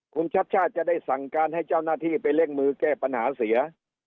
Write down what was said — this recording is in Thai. คุณชัดชาติจะได้สั่งการให้เจ้าหน้าที่ไปเร่งมือแก้ปัญหาเสีย